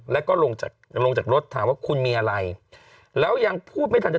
แล้วก็ลงจากลงจากรถถามว่าคุณมีอะไรแล้วยังพูดไม่ทันจะ